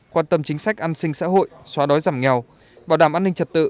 quan tâm chính sách an sinh xã hội xóa đói giảm nghèo bảo đảm an ninh trật tự